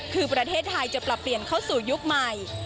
คือประเทศไทยจะปรับเปลี่ยนเข้าสู่ยุคใหม่